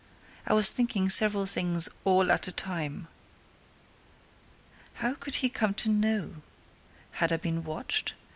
I was thinking several things all at a time. How did he come to know? Had I been watched?